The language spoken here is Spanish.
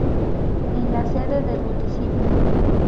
En la sede del municipio.